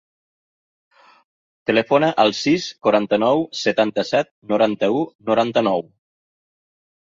Telefona al sis, quaranta-nou, setanta-set, noranta-u, noranta-nou.